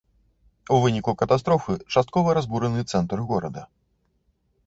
У выніку катастрофы часткова разбураны цэнтр горада.